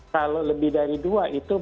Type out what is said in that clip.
kalau lebih dari dua itu